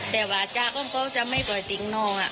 แต่ว่าจากของเขาจะไม่ปล่อยติงน้อง